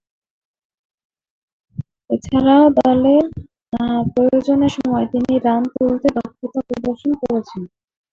এছাড়াও, দলের প্রয়োজনের সময়ে তিনি রান তুলতে দক্ষতা প্রদর্শন করেছেন।